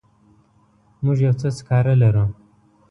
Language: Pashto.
موږ یو څه سکاره لرو.